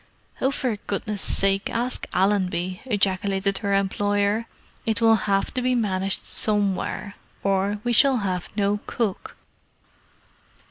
"Oh, for goodness' sake, ask Allenby!" ejaculated her employer. "It will have to be managed somewhere, or we shall have no cook!"